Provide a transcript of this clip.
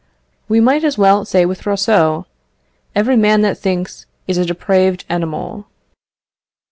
We might as well say with Rousseau "Every man that thinks is a depraved animal."